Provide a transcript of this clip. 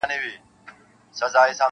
• د یوه معتاد لخوا -